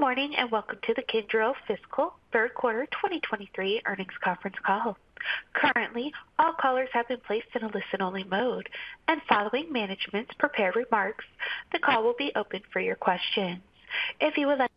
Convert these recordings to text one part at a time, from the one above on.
Good morning. Welcome to the Kyndryl Fiscal Third Quarter 2023 Earnings Conference Call. Currently, all callers have been placed in a listen-only mode, and following management's prepared remarks, the call will be open for your questions. If you would like.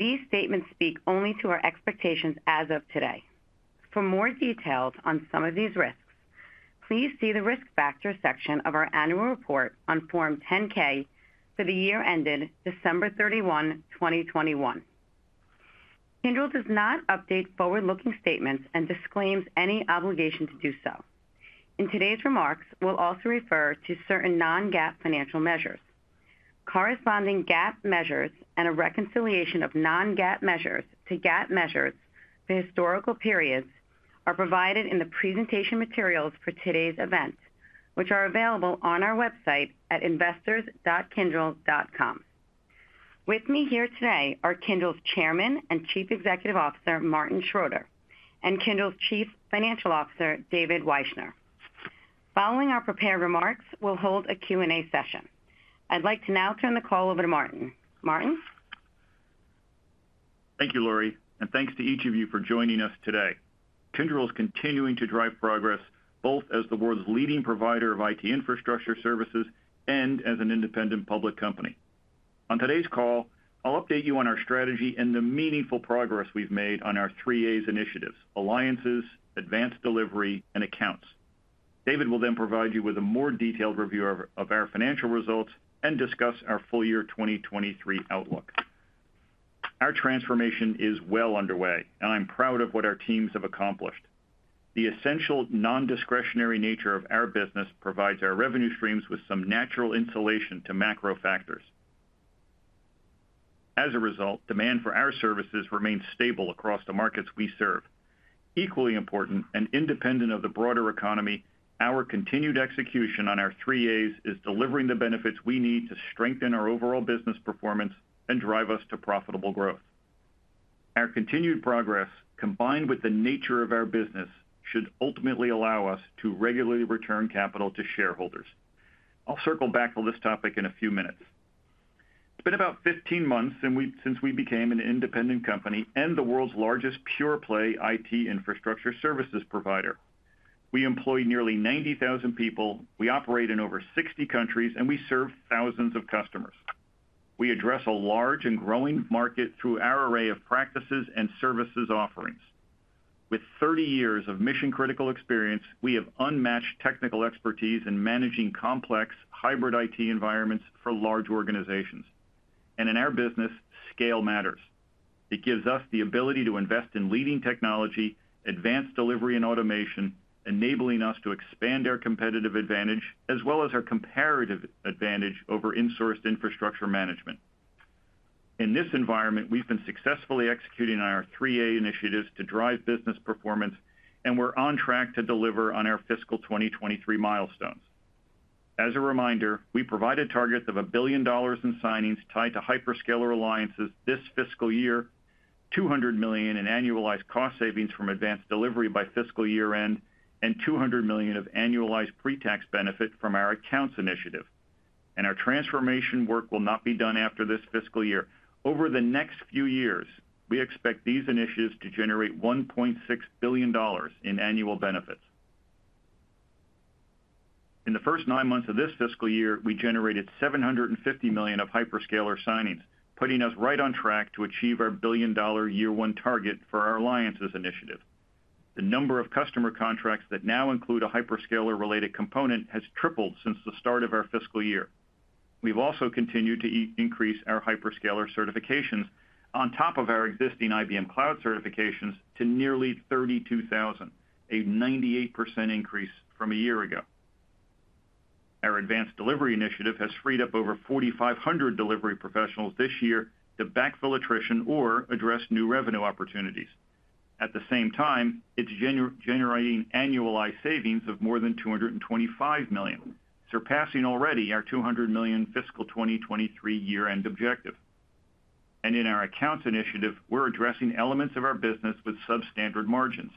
These statements speak only to our expectations as of today. For more details on some of these risks, please see the Risk Factors section of our annual report on Form 10-K for the year ended December 31, 2021. Kyndryl does not update forward-looking statements and disclaims any obligation to do so. In today's remarks, we'll also refer to certain non-GAAP financial measures. Corresponding GAAP measures and a reconciliation of non-GAAP measures to GAAP measures for historical periods are provided in the presentation materials for today's event, which are available on our website at investors.kyndryl.com. With me here today are Kyndryl's Chairman and Chief Executive Officer, Martin Schroeter, and Kyndryl's Chief Financial Officer, David Wyshner. Following our prepared remarks, we'll hold a Q&A session. I'd like to now turn the call over to Martin. Martin? Thank you, Lori, and thanks to each of you for joining us today. Kyndryl is continuing to drive progress, both as the world's leading provider of IT infrastructure services and as an independent public company. On today's call, I'll update you on our strategy and the meaningful progress we've made on our Three A's initiatives, Alliances, Advanced Delivery, and Accounts. David will then provide you with a more detailed review of our financial results and discuss our full year 2023 outlook. Our transformation is well underway, and I'm proud of what our teams have accomplished. The essential non-discretionary nature of our business provides our revenue streams with some natural insulation to macro factors. As a result, demand for our services remains stable across the markets we serve. Equally important, and independent of the broader economy, our continued execution on our Three A's is delivering the benefits we need to strengthen our overall business performance and drive us to profitable growth. Our continued progress, combined with the nature of our business, should ultimately allow us to regularly return capital to shareholders. I'll circle back on this topic in a few minutes. It's been about 15 months since we became an independent company and the world's largest pure-play IT infrastructure services provider. We employ nearly 90,000 people. We operate in over 60 countries, and we serve thousands of customers. We address a large and growing market through our array of practices and services offerings. With 30 years of mission-critical experience, we have unmatched technical expertise in managing complex hybrid IT environments for large organizations. In our business, scale matters. It gives us the ability to invest in leading technology, advanced delivery, and automation, enabling us to expand our competitive advantage as well as our comparative advantage over insourced infrastructure management. In this environment, we've been successfully executing on our Three A's initiatives to drive business performance, and we're on track to deliver on our fiscal 2023 milestones. As a reminder, we provided targets of a billion dollar in signings tied to hyperscaler alliances this fiscal year, $200 million in annualized cost savings from advanced delivery by fiscal year-end, and $200 million of annualized pre-tax benefit from our accounts initiative. Our transformation work will not be done after this fiscal year. Over the next few years, we expect these initiatives to generate $1.6 billion in annual benefits. In the first nine months of this fiscal year, we generated $750 million of hyperscaler signings, putting us right on track to achieve our billion-dollar year-one target for our Alliances initiative. The number of customer contracts that now include a hyperscaler-related component has tripled since the start of our fiscal year. We've also continued to increase our hyperscaler certifications on top of our existing IBM Cloud certifications to nearly 32,000, a 98% increase from a year ago. Our Advanced Delivery initiative has freed up over 4,500 delivery professionals this year to backfill attrition or address new revenue opportunities. At the same time, it's generating annualized savings of more than $225 million, surpassing already our $200 million fiscal 2023 year-end objective. In our Accounts initiative, we're addressing elements of our business with substandard margins.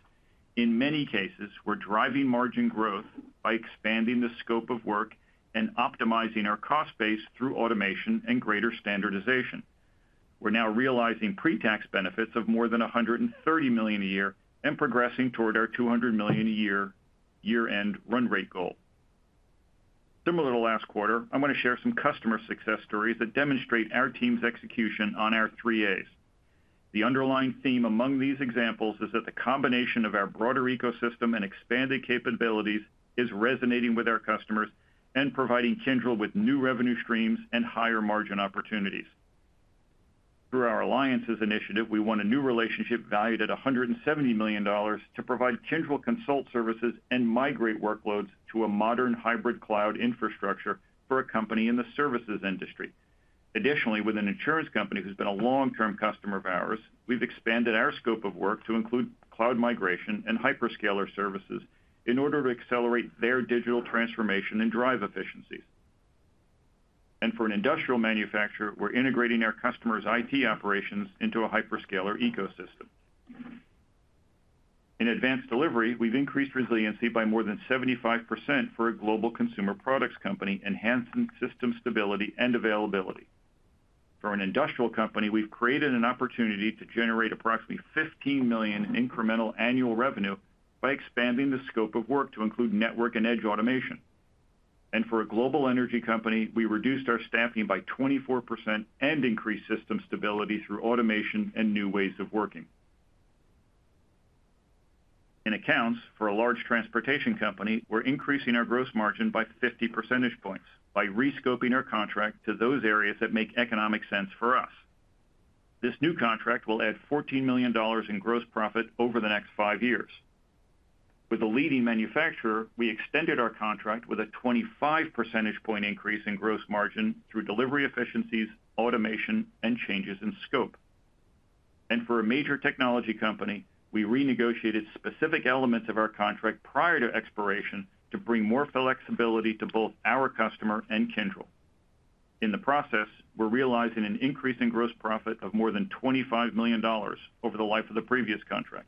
In many cases, we're driving margin growth by expanding the scope of work and optimizing our cost base through automation and greater standardization. We're now realizing pre-tax benefits of more than $130 million a year and progressing toward our $200 million a year year-end run rate goal. Similar to last quarter, I'm going to share some customer success stories that demonstrate our team's execution on our Three A's. The underlying theme among these examples is that the combination of our broader ecosystem and expanded capabilities is resonating with our customers and providing Kyndryl with new revenue streams and higher margin opportunities. Through our alliances initiative, we won a new relationship valued at $170 million to provide Kyndryl Consult services and migrate workloads to a modern hybrid cloud infrastructure for a company in the services industry. Additionally, with an insurance company who's been a long-term customer of ours, we've expanded our scope of work to include cloud migration and hyperscaler services in order to accelerate their digital transformation and drive efficiencies. For an industrial manufacturer, we're integrating our customer's IT operations into a hyperscaler ecosystem. In Advanced Delivery, we've increased resiliency by more than 75% for a global consumer products company, enhancing system stability and availability. For an industrial company, we've created an opportunity to generate approximately $15 million in incremental annual revenue by expanding the scope of work to include network and edge automation. For a global energy company, we reduced our staffing by 24% and increased system stability through automation and new ways of working. In accounts for a large transportation company, we're increasing our gross margin by 50 percentage points by re-scoping our contract to those areas that make economic sense for us. This new contract will add $14 million in gross profit over the next 5 years. With a leading manufacturer, we extended our contract with a 25 percentage point increase in gross margin through delivery efficiencies, automation, and changes in scope. For a major technology company, we renegotiated specific elements of our contract prior to expiration to bring more flexibility to both our customer and Kyndryl. In the process, we're realizing an increase in gross profit of more than $25 million over the life of the previous contract.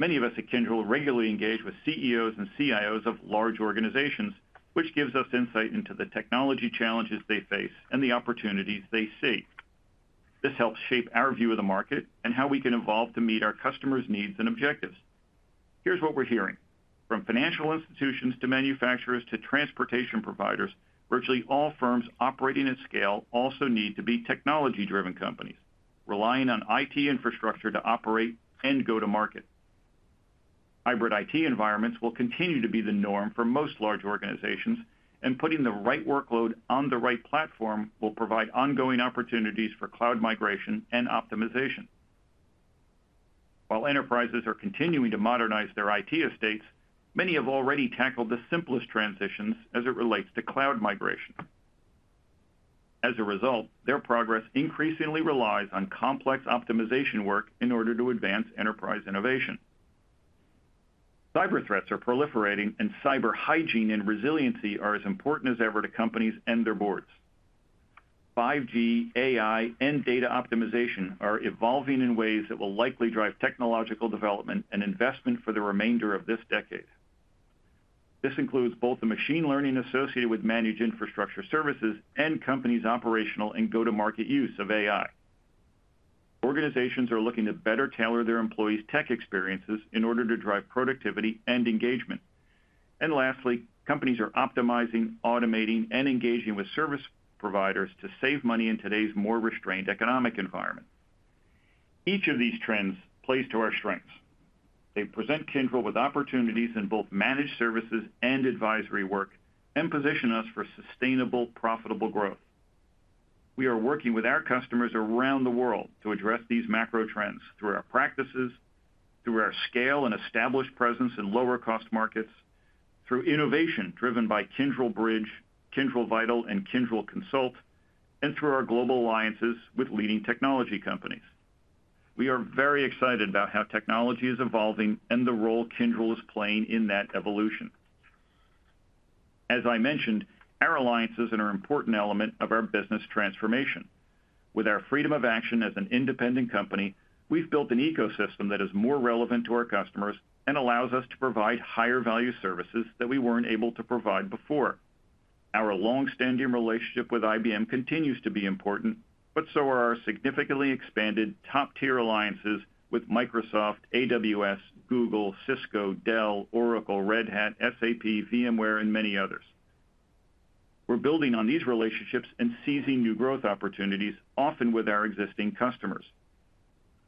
Many of us at Kyndryl regularly engage with CEOs and CIOs of large organizations, which gives us insight into the technology challenges they face and the opportunities they see. This helps shape our view of the market and how we can evolve to meet our customers' needs and objectives. Here's what we're hearing. From financial institutions to manufacturers to transportation providers, virtually all firms operating at scale also need to be technology-driven companies, relying on IT infrastructure to operate and go to market. Hybrid IT environments will continue to be the norm for most large organizations, and putting the right workload on the right platform will provide ongoing opportunities for cloud migration and optimization. While enterprises are continuing to modernize their IT estates, many have already tackled the simplest transitions as it relates to cloud migration. As a result, their progress increasingly relies on complex optimization work in order to advance enterprise innovation. Cyber threats are proliferating, and cyber hygiene and resiliency are as important as ever to companies and their boards. 5G, AI, and data optimization are evolving in ways that will likely drive technological development and investment for the remainder of this decade. This includes both the machine learning associated with managed infrastructure services and companies' operational and go-to-market use of AI. Organizations are looking to better tailor their employees' tech experiences in order to drive productivity and engagement. Lastly, companies are optimizing, automating, and engaging with service providers to save money in today's more restrained economic environment. Each of these trends plays to our strengths. They present Kyndryl with opportunities in both managed services and advisory work and position us for sustainable, profitable growth. We are working with our customers around the world to address these macro trends through our practices, through our scale and established presence in lower cost markets, through innovation driven by Kyndryl Bridge, Kyndryl Vital, and Kyndryl Consult, and through our global alliances with leading technology companies. We are very excited about how technology is evolving and the role Kyndryl is playing in that evolution. As I mentioned, our alliances are an important element of our business transformation. With our freedom of action as an independent company, we've built an ecosystem that is more relevant to our customers and allows us to provide higher value services that we weren't able to provide before. So are our significantly expanded top-tier alliances with Microsoft, AWS, Google, Cisco, Dell, Oracle, Red Hat, SAP, VMware, and many others. We're building on these relationships and seizing new growth opportunities, often with our existing customers.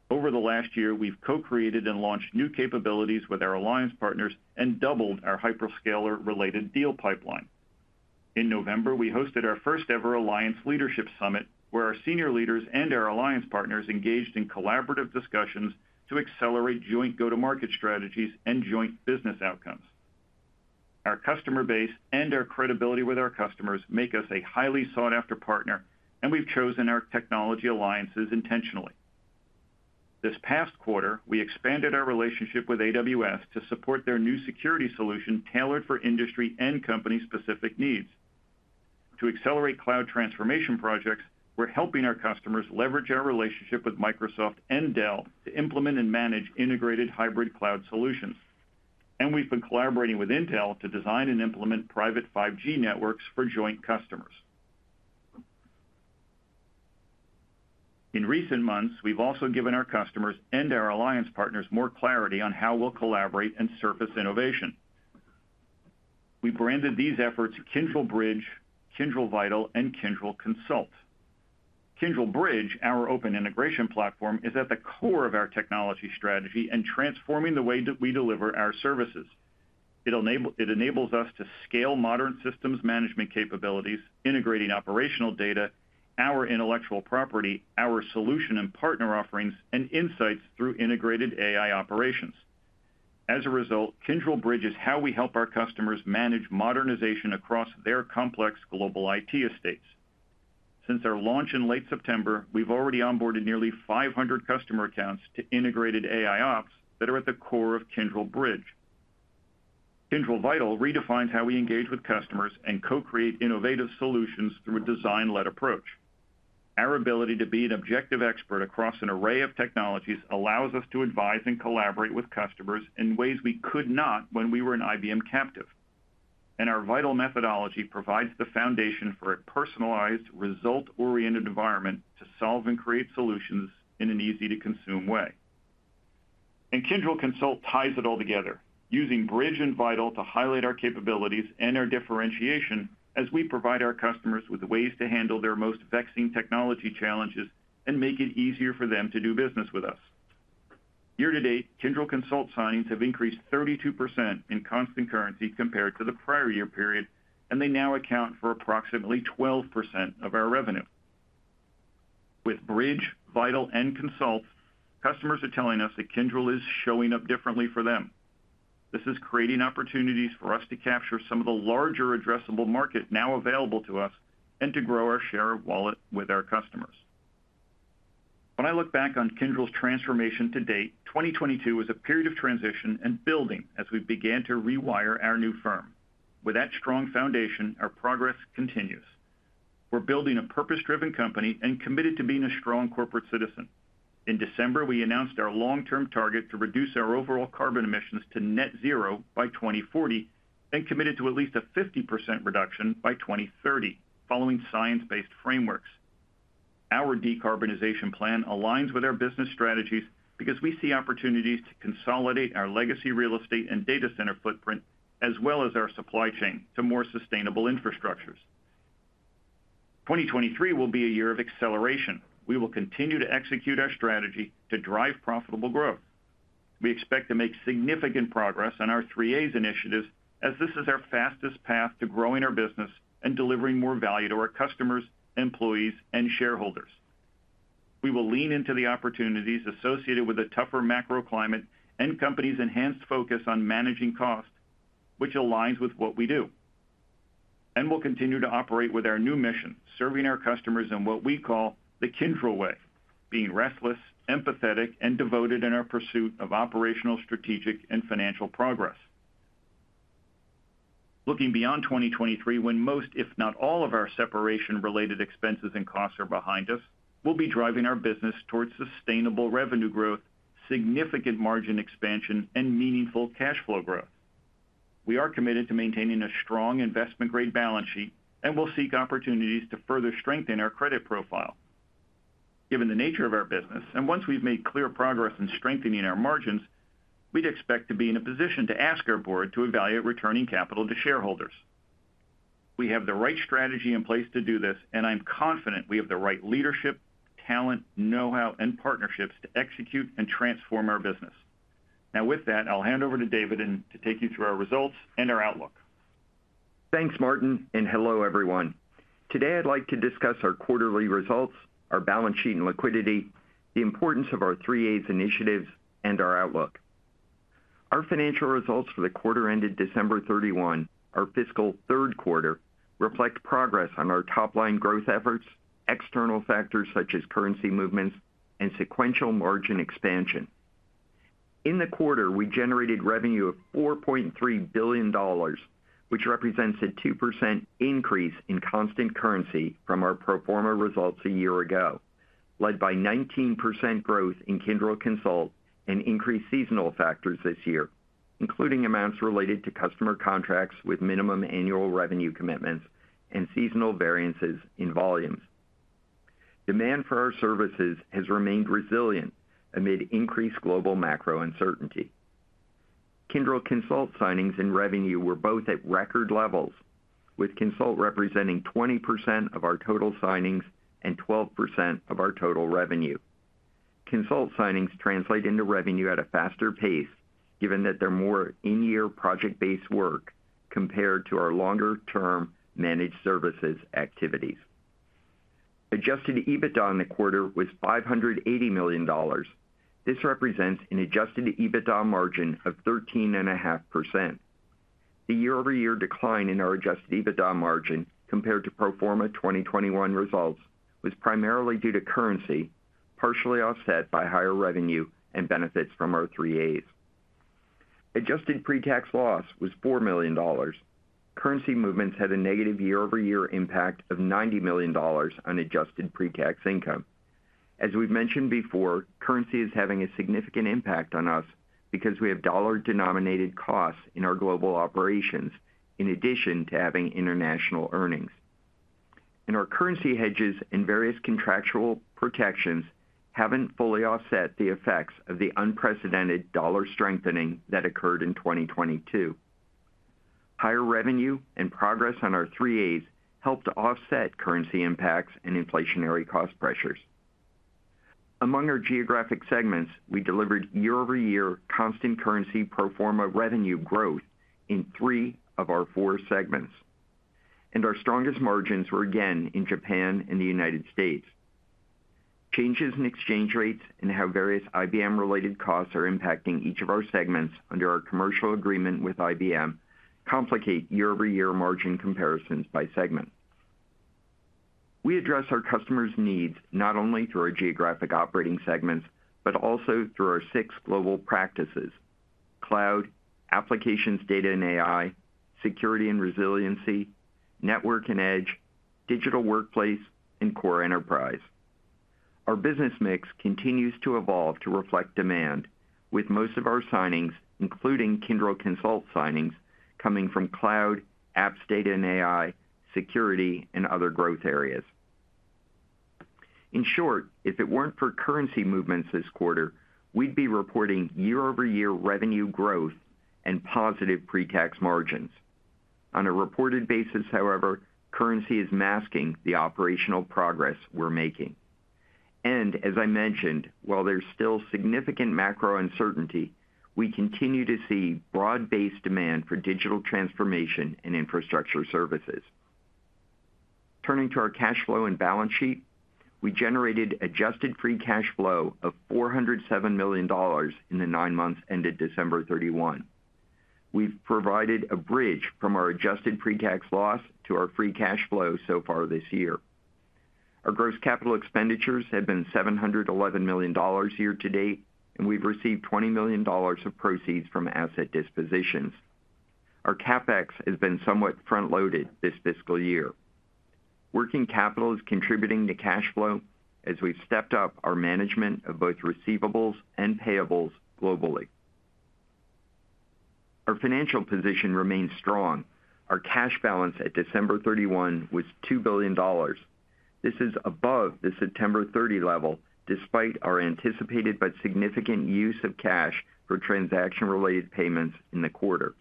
Over the last year, we've co-created and launched new capabilities with our alliance partners and doubled our hyperscaler-related deal pipeline. In November, we hosted our first ever Alliance Leadership Summit, where our senior leaders and our alliance partners engaged in collaborative discussions to accelerate joint go-to-market strategies and joint business outcomes. Our customer base and our credibility with our customers make us a highly sought-after partner, and we've chosen our technology alliances intentionally. This past quarter, we expanded our relationship with AWS to support their new security solution tailored for industry and company-specific needs. To accelerate cloud transformation projects, we're helping our customers leverage our relationship with Microsoft and Dell to implement and manage integrated hybrid cloud solutions. We've been collaborating with Intel to design and implement private 5G networks for joint customers. In recent months, we've also given our customers and our alliance partners more clarity on how we'll collaborate and surface innovation. We branded these efforts Kyndryl Bridge, Kyndryl Vital, and Kyndryl Consult. Kyndryl Bridge, our open integration platform, is at the core of our technology strategy and transforming the way that we deliver our services. It enables us to scale modern systems management capabilities, integrating operational data, our intellectual property, our solution and partner offerings, and insights through integrated AIOps. As a result, Kyndryl Bridge is how we help our customers manage modernization across their complex global IT estates. Since their launch in late September, we've already onboarded nearly 500 customer accounts to integrated AIOps that are at the core of Kyndryl Bridge. Kyndryl Vital redefines how we engage with customers and co-create innovative solutions through a design-led approach. Our ability to be an objective expert across an array of technologies allows us to advise and collaborate with customers in ways we could not when we were an IBM captive. Our Vital methodology provides the foundation for a personalized, result-oriented environment to solve and create solutions in an easy-to-consume way. Kyndryl Consult ties it all together, using Bridge and Vital to highlight our capabilities and our differentiation as we provide our customers with ways to handle their most vexing technology challenges and make it easier for them to do business with us. Year to date, Kyndryl Consult signings have increased 32% in constant currency compared to the prior year period, and they now account for approximately 12% of our revenue. With Bridge, Vital, and Consult, customers are telling us that Kyndryl is showing up differently for them. This is creating opportunities for us to capture some of the larger addressable market now available to us and to grow our share of wallet with our customers. When I look back on Kyndryl's transformation to date, 2022 was a period of transition and building as we began to rewire our new firm. With that strong foundation, our progress continues. We're building a purpose-driven company and committed to being a strong corporate citizen. In December, we announced our long-term target to reduce our overall carbon emissions to net zero by 2040 and committed to at least a 50% reduction by 2030 following science-based frameworks. Our decarbonization plan aligns with our business strategies because we see opportunities to consolidate our legacy real estate and data center footprint, as well as our supply chain, to more sustainable infrastructures. 2023 will be a year of acceleration. We will continue to execute our strategy to drive profitable growth. We expect to make significant progress on our Three A's initiatives as this is our fastest path to growing our business and delivering more value to our customers, employees, and shareholders. We will lean into the opportunities associated with a tougher macroclimate and companies' enhanced focus on managing costs, which aligns with what we do. We'll continue to operate with our new mission, serving our customers in what we call the Kyndryl Way, being restless, empathetic, and devoted in our pursuit of operational, strategic, and financial progress. Looking beyond 2023 when most, if not all, of our separation-related expenses and costs are behind us, we'll be driving our business towards sustainable revenue growth, significant margin expansion, and meaningful cash flow growth. We are committed to maintaining a strong investment-grade balance sheet, and we'll seek opportunities to further strengthen our credit profile. Given the nature of our business, and once we've made clear progress in strengthening our margins, we'd expect to be in a position to ask our board to evaluate returning capital to shareholders. We have the right strategy in place to do this, and I'm confident we have the right leadership, talent, know-how, and partnerships to execute and transform our business. Now with that, I'll hand over to David and to take you through our results and our outlook. Thanks, Martin. Hello, everyone. Today, I'd like to discuss our quarterly results, our balance sheet and liquidity, the importance of our Three A's initiatives, and our outlook. Our financial results for the quarter ended December 31, our fiscal third quarter, reflect progress on our top-line growth efforts, external factors such as currency movements, and sequential margin expansion. In the quarter, we generated revenue of $4.3 billion, which represents a 2% increase in constant currency from our pro forma results a year ago, led by 19% growth in Kyndryl Consult and increased seasonal factors this year, including amounts related to customer contracts with minimum annual revenue commitments and seasonal variances in volumes. Demand for our services has remained resilient amid increased global macro uncertainty. Kyndryl Consult signings and revenue were both at record levels, with Consult representing 20% of our total signings and 12% of our total revenue. Consult signings translate into revenue at a faster pace given that they're more in-year project-based work compared to our longer-term managed services activities. Adjusted EBITDA in the quarter was $580 million. This represents an adjusted EBITDA margin of 13.5%. The year-over-year decline in our adjusted EBITDA margin compared to pro forma 2021 results was primarily due to currency, partially offset by higher revenue and benefits from our Three A's. adjusted pre-tax loss was $4 million. Currency movements had a negative year-over-year impact of $90 million on adjusted pre-tax income. As we've mentioned before, currency is having a significant impact on us because we have dollar-denominated costs in our global operations in addition to having international earnings. Our currency hedges and various contractual protections haven't fully offset the effects of the unprecedented dollar strengthening that occurred in 2022. Higher revenue and progress on our three A's helped to offset currency impacts and inflationary cost pressures. Among our geographic segments, we delivered year-over-year constant currency pro forma revenue growth in three of our four segments, and our strongest margins were again in Japan and the United States. Changes in exchange rates and how various IBM-related costs are impacting each of our segments under our commercial agreement with IBM complicate year-over-year margin comparisons by segment. We address our customers' needs not only through our geographic operating segments, but also through our six global practices: Cloud, Applications, Data, and AI, Security & Resiliency, Network & Edge, Digital Workplace, and Core Enterprise. Our business mix continues to evolve to reflect demand with most of our signings, including Kyndryl Consult signings, coming from Cloud, Applications, Data, and AI, Security & Resiliency, and other growth areas. In short, if it weren't for currency movements this quarter, we'd be reporting year-over-year revenue growth and positive pre-tax margins. On a reported basis, however, currency is masking the operational progress we're making. As I mentioned, while there's still significant macro uncertainty, we continue to see broad-based demand for digital transformation and infrastructure services. Turning to our cash flow and balance sheet, we generated adjusted free cash flow of $407 million in the nine months ended December 31. We've provided a bridge from our adjusted pre-tax loss to our free cash flow so far this year. Our gross capital expenditures have been $711 million year to date. We've received $20 million of proceeds from asset dispositions. Our CapEx has been somewhat front-loaded this fiscal year. Working capital is contributing to cash flow as we've stepped up our management of both receivables and payables globally. Our financial position remains strong. Our cash balance at December 31 was $2 billion. This is above the September 30 level, despite our anticipated but significant use of cash for transaction-related payments in the quarter.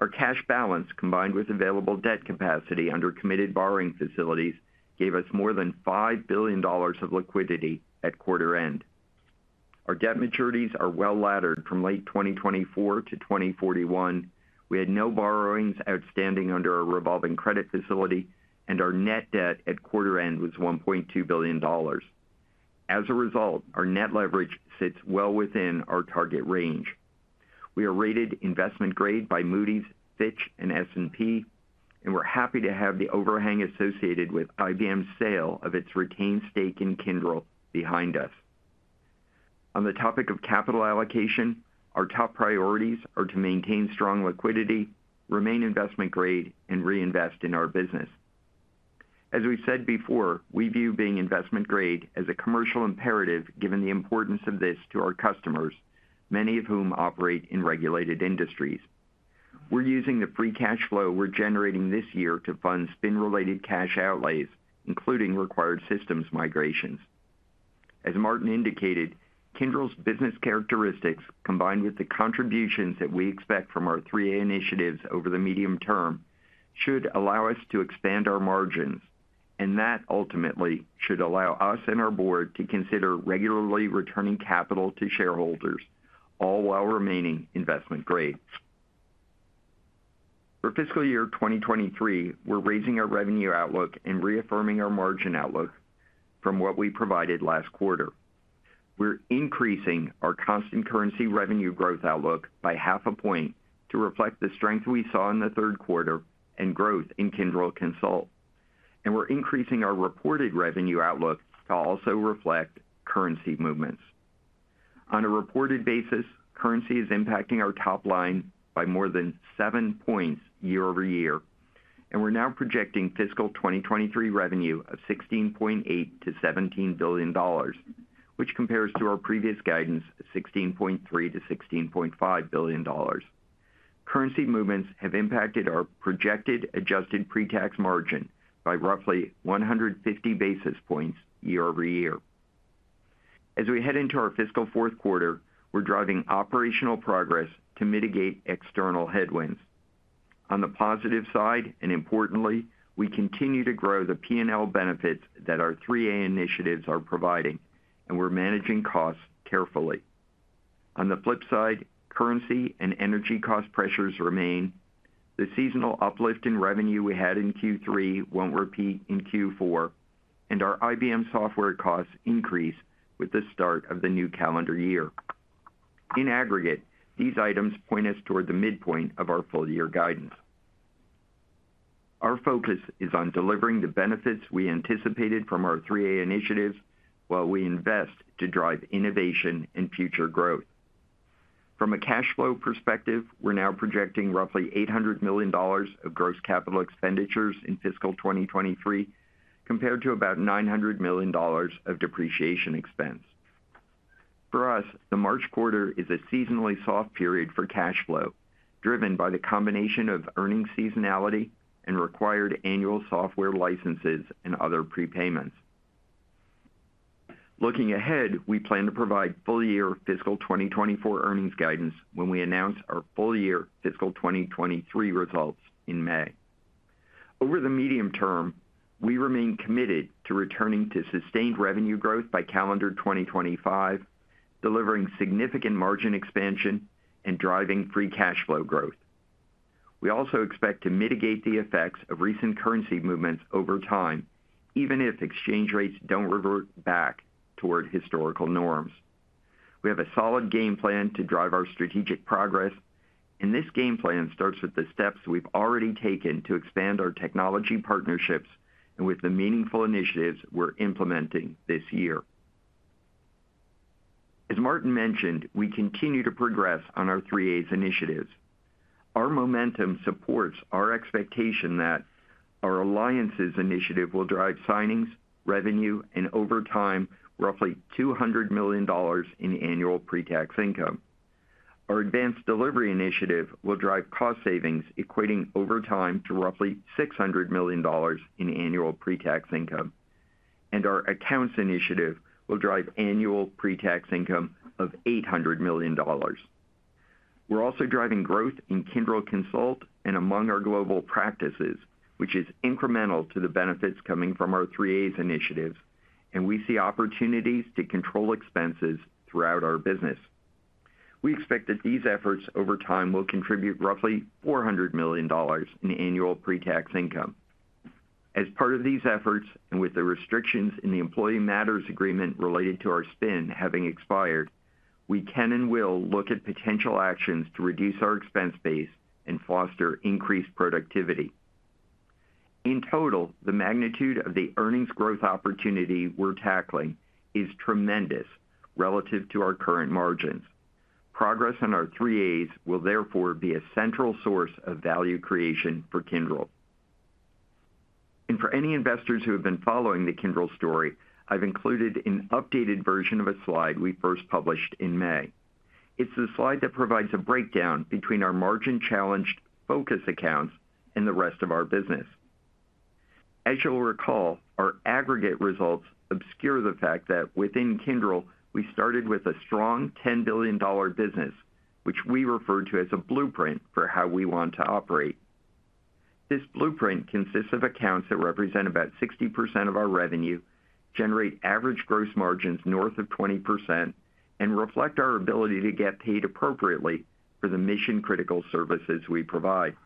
Our cash balance, combined with available debt capacity under committed borrowing facilities, gave us more than $5 billion of liquidity at quarter end. Our debt maturities are well-laddered from late 2024-2041. We had no borrowings outstanding under our revolving credit facility, and our net debt at quarter end was $1.2 billion. As a result, our net leverage sits well within our target range. We are rated investment grade by Moody's, Fitch, and S&P, and we're happy to have the overhang associated with IBM's sale of its retained stake in Kyndryl behind us. On the topic of capital allocation, our top priorities are to maintain strong liquidity, remain investment grade, and reinvest in our business. As we've said before, we view being investment grade as a commercial imperative given the importance of this to our customers, many of whom operate in regulated industries. We're using the free cash flow we're generating this year to fund spin-related cash outlays, including required systems migrations. As Martin indicated, Kyndryl's business characteristics, combined with the contributions that we expect from our Three A initiatives over the medium term, should allow us to expand our margins, and that ultimately should allow us and our board to consider regularly returning capital to shareholders, all while remaining investment grade. For fiscal year 2023, we're raising our revenue outlook and reaffirming our margin outlook from what we provided last quarter. We're increasing our constant currency revenue growth outlook by 0.5 points to reflect the strength we saw in the third quarter and growth in Kyndryl Consult. We're increasing our reported revenue outlook to also reflect currency movements. On a reported basis, currency is impacting our top line by more than seven points year-over-year. We're now projecting fiscal 2023 revenue of $16.8 billion-$17 billion, which compares to our previous guidance of $16.3 billion-$16.5 billion. Currency movements have impacted our projected adjusted pre-tax margin by roughly 150 basis points year-over-year. As we head into our fiscal fourth quarter, we're driving operational progress to mitigate external headwinds. On the positive side, importantly, we continue to grow the P&L benefits that our Three A's initiatives are providing. We're managing costs carefully. On the flip side, currency and energy cost pressures remain. The seasonal uplift in revenue we had in Q3 won't repeat in Q4. Our IBM software costs increase with the start of the new calendar year. In aggregate, these items point us toward the midpoint of our full year guidance. Our focus is on delivering the benefits we anticipated from our Three A's while we invest to drive innovation and future growth. From a cash flow perspective, we're now projecting roughly $800 million of gross capital expenditures in fiscal 2023 compared to about $900 million of depreciation expense. For us, the March quarter is a seasonally soft period for cash flow, driven by the combination of earnings seasonality and required annual software licenses and other prepayments. Looking ahead, we plan to provide full-year fiscal 2024 earnings guidance when we announce our full-year fiscal 2023 results in May. Over the medium term, we remain committed to returning to sustained revenue growth by calendar 2025, delivering significant margin expansion and driving free cash flow growth. We also expect to mitigate the effects of recent currency movements over time, even if exchange rates don't revert back toward historical norms. We have a solid game plan to drive our strategic progress. This game plan starts with the steps we've already taken to expand our technology partnerships and with the meaningful initiatives we're implementing this year. As Martin mentioned, we continue to progress on our Three A's initiatives. Our momentum supports our expectation that our Alliances initiative will drive signings, revenue, and over time, roughly $200 million in annual pre-tax income. Our Advanced Delivery initiative will drive cost savings equating over time to roughly $600 million in annual pre-tax income. Our Accounts initiative will drive annual pre-tax income of $800 million. We're also driving growth in Kyndryl Consult and among our global practices, which is incremental to the benefits coming from our Three A's initiatives, and we see opportunities to control expenses throughout our business. We expect that these efforts over time will contribute roughly $400 million in annual pre-tax income. As part of these efforts, and with the restrictions in the employee matters agreement related to our spin having expired, we can and will look at potential actions to reduce our expense base and foster increased productivity. In total, the magnitude of the earnings growth opportunity we're tackling is tremendous relative to our current margins. Progress on our Three A's will therefore be a central source of value creation for Kyndryl. For any investors who have been following the Kyndryl story, I've included an updated version of a slide we first published in May. It's a slide that provides a breakdown between our margin-challenged focus accounts and the rest of our business. As you'll recall, our aggregate results obscure the fact that within Kyndryl, we started with a strong $10 billion business, which we refer to as a blueprint for how we want to operate. This blueprint consists of accounts that represent about 60% of our revenue, generate average gross margins north of 20%, and reflect our ability to get paid appropriately for the mission-critical services we provide.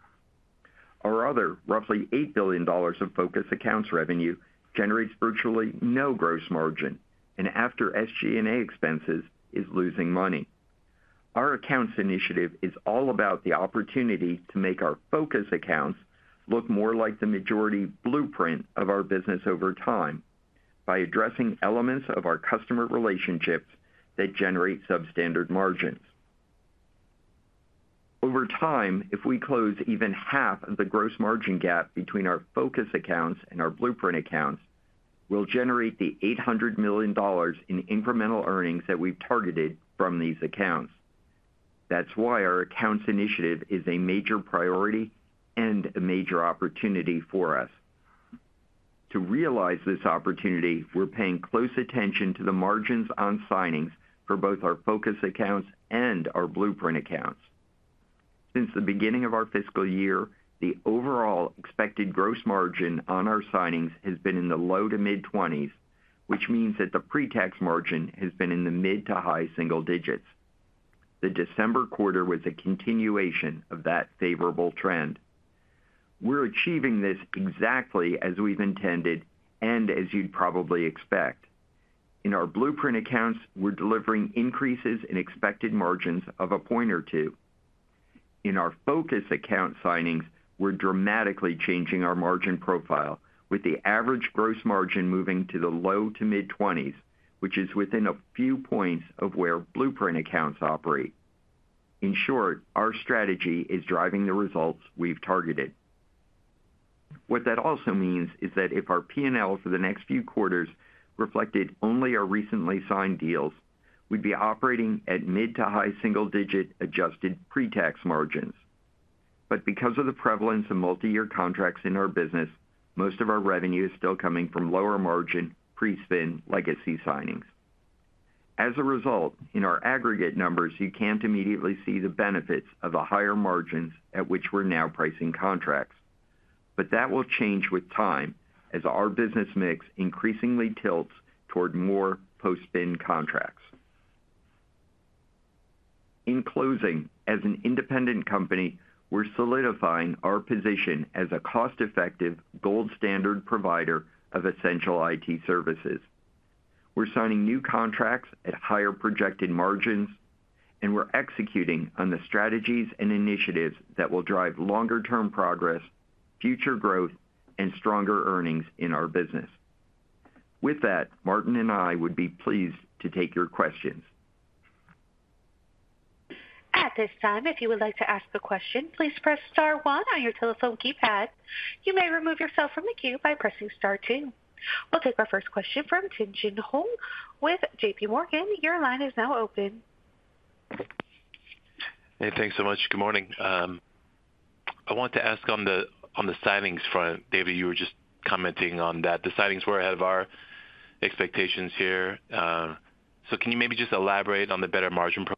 Our other roughly $8 billion of focus accounts revenue generates virtually no gross margin, and after SG&A expenses is losing money. Our accounts initiative is all about the opportunity to make our focus accounts look more like the majority blueprint of our business over time by addressing elements of our customer relationships that generate substandard margins. Over time, if we close even half of the gross margin gap between our focus accounts and our blueprint accounts, we'll generate the $800 million in incremental earnings that we've targeted from these accounts. That's why our accounts initiative is a major priority and a major opportunity for us. To realize this opportunity, we're paying close attention to the margins on signings for both our focus accounts and our blueprint accounts. Since the beginning of our fiscal year, the overall expected gross margin on our signings has been in the low to mid-twenties, which means that the pre-tax margin has been in the mid to high single digits. The December quarter was a continuation of that favorable trend. We're achieving this exactly as we've intended and as you'd probably expect. In our blueprint accounts, we're delivering increases in expected margins of a point or two. In our focus accounts signings, we're dramatically changing our margin profile with the average gross margin moving to the low to mid-20s, which is within a few points of where blueprint accounts operate. In short, our strategy is driving the results we've targeted. What that also means is that if our P&L for the next few quarters reflected only our recently signed deals, we'd be operating at mid to high single-digit adjusted pre-tax margins. Because of the prevalence of multiyear contracts in our business, most of our revenue is still coming from lower-margin pre-spin legacy signings. As a result, in our aggregate numbers, you can't immediately see the benefits of the higher margins at which we're now pricing contracts. That will change with time as our business mix increasingly tilts toward more post-spin contracts. In closing, as an independent company, we're solidifying our position as a cost-effective gold standard provider of essential IT services. We're signing new contracts at higher projected margins, and we're executing on the strategies and initiatives that will drive longer-term progress, future growth, and stronger earnings in our business. With that, Martin and I would be pleased to take your questions. At this time, if you would like to ask a question, please press star one on your telephone keypad. You may remove yourself from the queue by pressing star two. We'll take our first question from Tien-Tsin Huang with JPMorgan. Your line is now open. Hey, thanks so much. Good morning. I want to ask on the signings front. David, you were just commenting on that. The signings were ahead of our expectations here. Can you maybe just elaborate on the better margin? Yeah.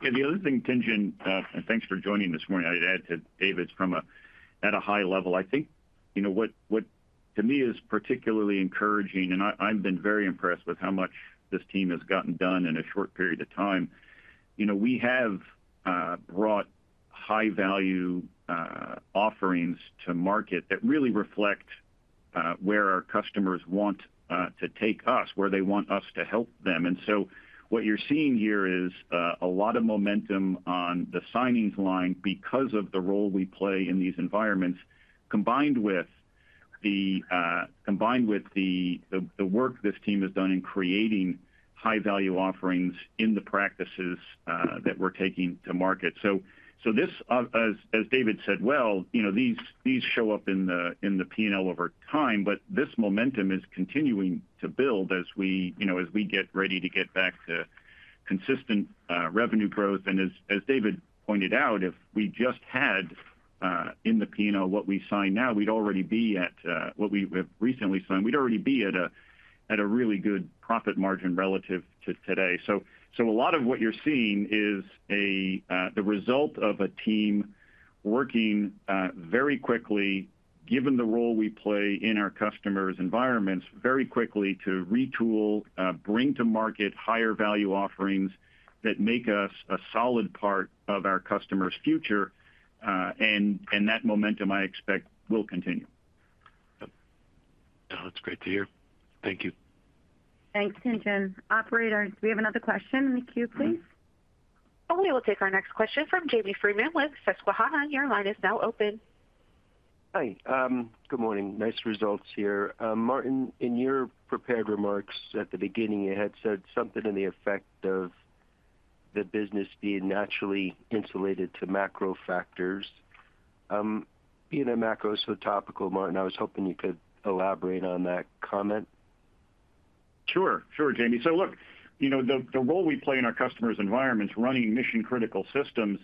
The other thing, Tien-Tsin, and thanks for joining this morning. I'd add to David's at a high level. I think what to me is particularly encouraging, and I've been very impressed with how much this team has gotten done in a short period of time. We have brought high value offerings to market that really reflect where our customers want to take us, where they want us to help them. What you're seeing here is a lot of momentum on the signings line because of the role we play in these environments, combined with the combined with the work this team has done in creating high value offerings in the practices that we're taking to market. This, as David said, well, these show up in the P&L over time, but this momentum is continuing to build as we get ready to get back to consistent revenue growth. As David pointed out, if we just had in the P&L what we signed now, we'd already be at what we have recently signed, we'd already be at a really good profit margin relative to today. A lot of what you're seeing is the result of a team working very quickly, given the role we play in our customers' environments, very quickly to retool, bring to market higher value offerings that make us a solid part of our customer's future. That momentum, I expect, will continue. That's great to hear. Thank you. Thanks, Tien-Tsin. Operator, do we have another question in the queue, please? We will take our next question from Jamie Friedman with Susquehanna. Your line is now open. Hi. good morning. Nice results here. Martin, in your prepared remarks at the beginning, you had said something in the effect of the business being naturally insulated to macro factors. being a macro is so topical, Martin, I was hoping you could elaborate on that comment. Sure. Sure, Jamie. Look the role we play in our customers' environments, running mission-critical systems,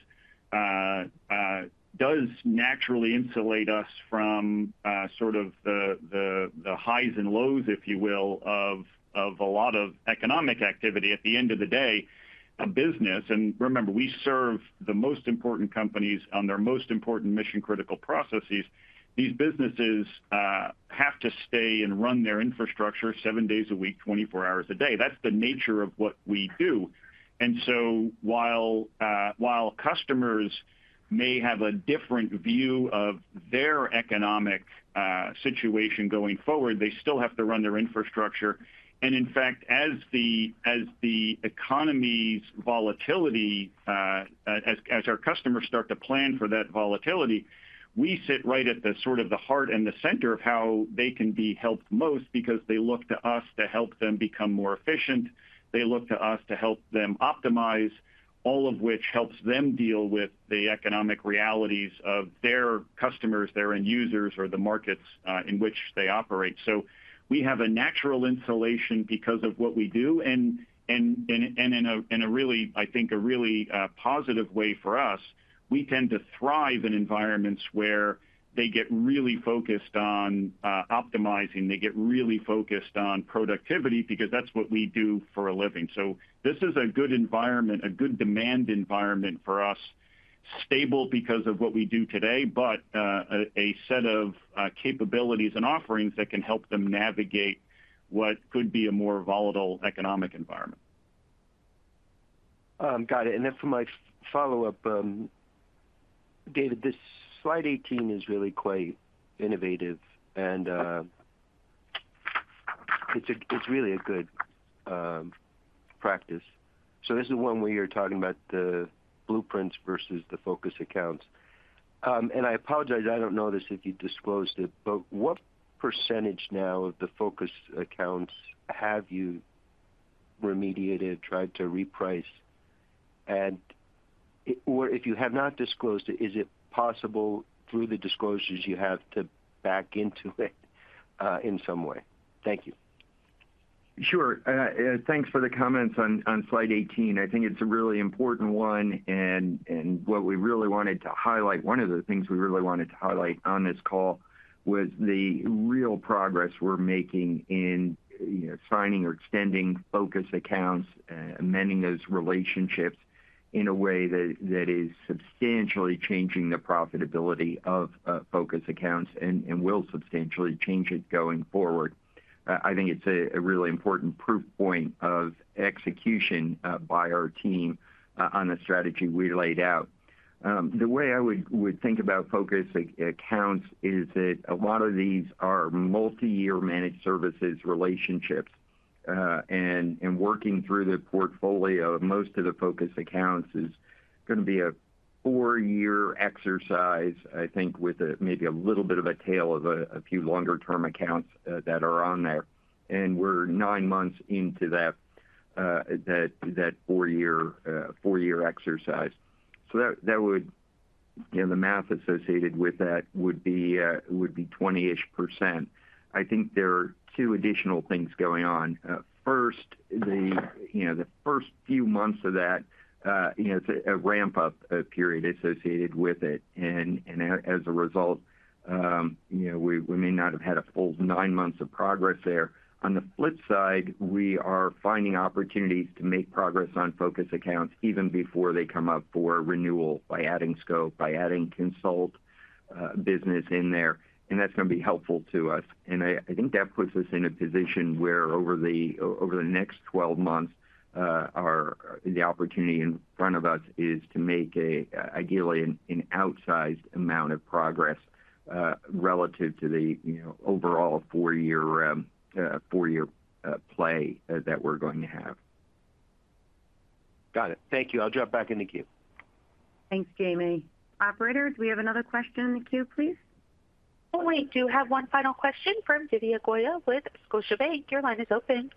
does naturally insulate us from sort of the highs and lows, if you will, of a lot of economic activity. At the end of the day, a business, and remember, we serve the most important companies on their most important mission-critical processes. These businesses have to stay and run their infrastructure seven days a week, 24 hours a day. That's the nature of what we do. While customers may have a different view of their economic situation going forward, they still have to run their infrastructure. In fact, as the economy's volatility, as our customers start to plan for that volatility, we sit right at the sort of the heart and the center of how they can be helped most because they look to us to help them become more efficient. They look to us to help them optimize, all of which helps them deal with the economic realities of their customers, their end users, or the markets, in which they operate. We have a natural insulation because of what we do. In a really, I think, a really positive way for us, we tend to thrive in environments where they get really focused on optimizing. They get really focused on productivity because that's what we do for a living. This is a good environment, a good demand environment for us. Stable because of what we do today, but, a set of capabilities and offerings that can help them navigate what could be a more volatile economic environment. Got it. Then for my follow-up, David, this slide 18 is really quite innovative, and it's really a good practice. This is one where you're talking about the blueprints versus the focus accounts. I apologize, I don't know this if you disclosed it, but what percentage now of the focus accounts have you remediated, tried to reprice? Or if you have not disclosed it, is it possible through the disclosures you have to back into it in some way? Thank you. Sure. Thanks for the comments on slide 18. I think it's a really important one, and what we really wanted to highlight, one of the things we really wanted to highlight on this call was the real progress we're making in signing or extending focus accounts, amending those relationships in a way that is substantially changing the profitability of focus accounts and will substantially change it going forward. I think it's a really important proof point of execution by our team on the strategy we laid out. The way I would think about focus accounts is that a lot of these are multi-year managed services relationships, and working through the portfolio of most of the focus accounts is gonna be a four-year exercise, I think with maybe a little bit of a tail of a few longer term accounts that are on there. We're nine months into that four-year, four-year exercise. That would, the math associated with that would be 20%. I think there are two additional things going on. First, the first few months of that it's a ramp-up period associated with it. As a result, we may not have had a full nine months of progress there. On the flip side, we are finding opportunities to make progress on focus accounts even before they come up for renewal by adding scope, by adding consult business in there. That's gonna be helpful to us. I think that puts us in a position where over the next 12 months, the opportunity in front of us is to make a, ideally an outsized amount of progress relative to the overall four-year play that we're going to have. Got it. Thank you. I'll drop back in the queue. Thanks, Jamie. Operator, do we have another question in the queue, please? We do have one final question from Divya Goyal with Scotiabank. Your line is open.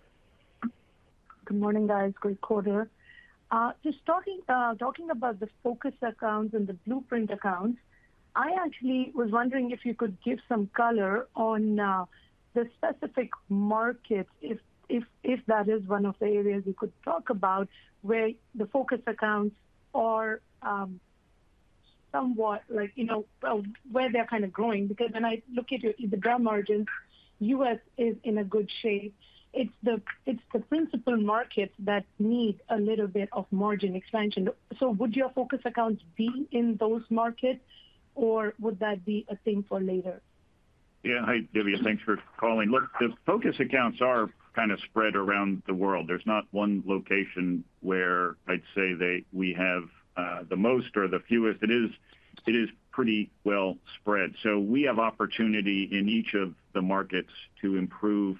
Good morning, guys. Great quarter. Just talking about the focus accounts and the blueprint accounts, I actually was wondering if you could give some color on the specific markets, if that is one of the areas you could talk about, where the focus accounts are? Somewhat like where they're kind of growing because when I look at your EBITDA margin, U.S. is in a good shape. It's the Principal Markets that need a little bit of margin expansion. Would your focus accounts be in those markets, or would that be a thing for later? Yeah. Hi, Divya. Thanks for calling. Look, the focus accounts are kind of spread around the world. There's not one location where I'd say we have the most or the fewest. It is pretty well spread. We have opportunity in each of the markets to improve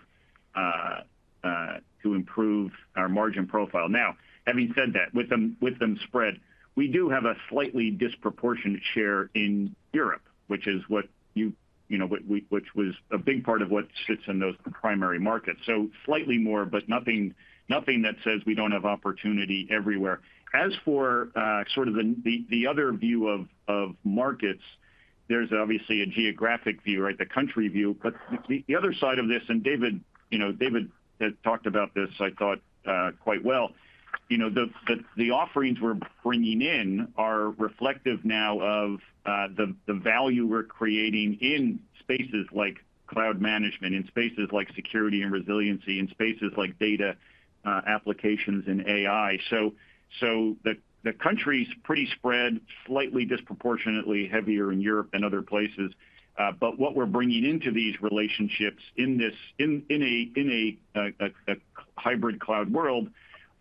to improve our margin profile. Now, having said that, with them spread, we do have a slightly disproportionate share in Europe, which is what you know, which was a big part of what sits in those primary markets. Slightly more, but nothing that says we don't have opportunity everywhere. As for sort of the other view of markets, there's obviously a geographic view, right, the country view. The other side of this, and David had talked about this, I thought, quite well. The offerings we're bringing in are reflective now of the value we're creating in spaces like cloud management, in spaces like Security & Resiliency, in spaces like Data, Applications, and AI. The country's pretty spread, slightly disproportionately heavier in Europe than other places. But what we're bringing into these relationships in this, in a hybrid cloud world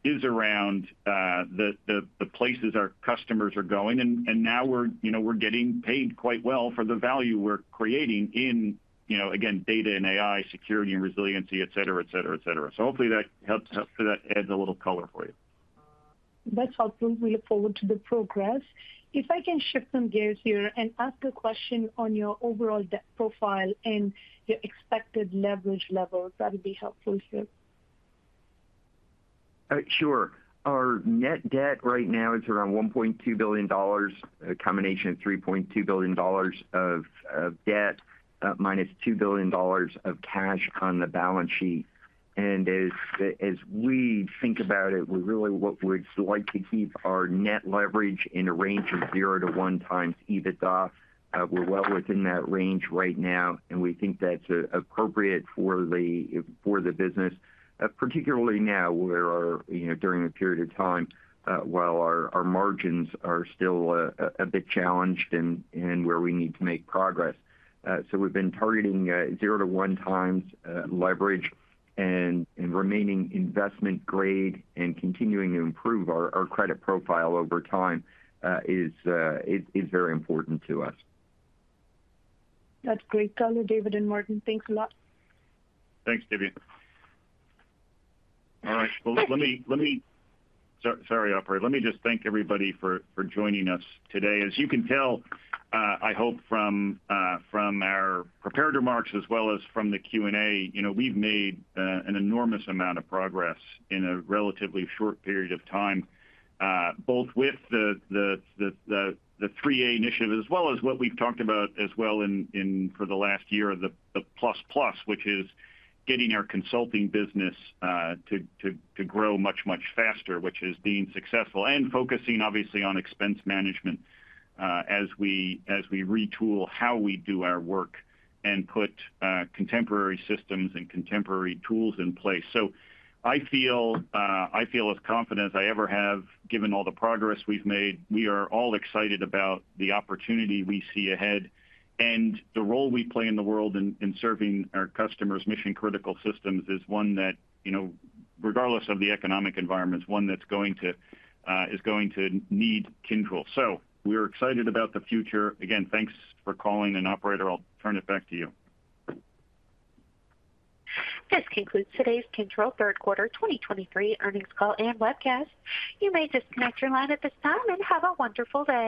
is around the places our customers are going. Now we're getting paid quite well for the value we're creating in again, Data and AI, Security & Resiliency, et cetera, et cetera, et cetera. Hopefully that helps that adds a little color for you. That's helpful. We look forward to the progress. If I can shift some gears here and ask a question on your overall debt profile and your expected leverage level, that would be helpful, sir. Sure. Our net debt right now is around $1.2 billion, a combination of $3.2 billion of debt, -$2 billion of cash on the balance sheet. As we think about it, what we'd like to keep our net leverage in a range of 0x-1x EBITDA. We're well within that range right now, and we think that's appropriate for the business, particularly now where our during a period of time, while our margins are still a bit challenged and where we need to make progress. We've been targeting 0x-1x leverage and remaining investment grade and continuing to improve our credit profile over time is very important to us. That's great color, David and Martin. Thanks a lot. Thanks, Divya. All right. Well, let me sorry, operator. Let me just thank everybody for joining us today. As you can tell, I hope from our prepared remarks as well as from the Q&A, we've made an enormous amount of progress in a relatively short period of time, both with the Three A's initiative as well as what we've talked about as well for the last year, the plus plus, which is getting our consulting business to grow much, much faster, which is being successful, and focusing obviously on expense management, as we retool how we do our work and put contemporary systems and contemporary tools in place. I feel as confident as I ever have given all the progress we've made. We are all excited about the opportunity we see ahead. The role we play in the world in serving our customers' mission-critical systems is one that regardless of the economic environment, is one that's going to need Kyndryl. We're excited about the future. Again, thanks for calling. Operator, I'll turn it back to you. This concludes today's Kyndryl third quarter 2023 earnings call and webcast. You may disconnect your line at this time, and have a wonderful day.